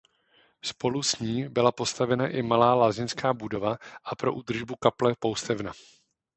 Spolu s ní byla postavena i malá lázeňská budova a pro údržbu kaple poustevna.